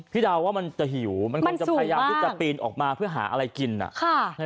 เดาว่ามันจะหิวมันคงจะพยายามที่จะปีนออกมาเพื่อหาอะไรกิน